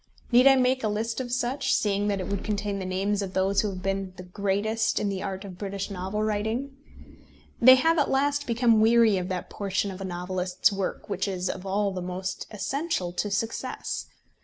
Need I make a list of such, seeing that it would contain the names of those who have been greatest in the art of British novel writing? They have at last become weary of that portion of a novelist's work which is of all the most essential to success.